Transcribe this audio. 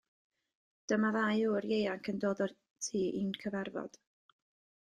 Dyma ddau ŵr ieuanc yn dod o'r tŷ i'n cyfarfod.